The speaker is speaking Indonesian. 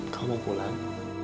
kau mau pulang